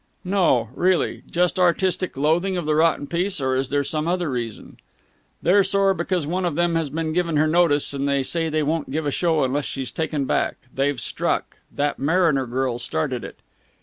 "No, really! Just artistic loathing of the rotten piece, or is there some other reason?" "They're sore because one of them has been given her notice, and they say they won't give a show unless she's taken back. They've struck. That Mariner girl started it."